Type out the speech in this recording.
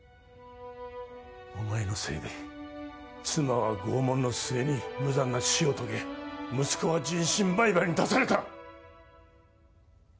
お前のせいで妻は拷問の末無残な死を遂げ息子は人身売買に出された！